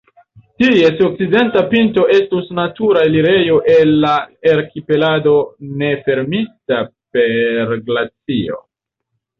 Ties okcidenta pinto estus natura elirejo el la arkipelago ne fermita per glacio.